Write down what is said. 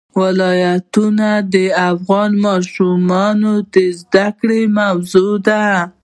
ولایتونه د افغان ماشومانو د زده کړې موضوع ده.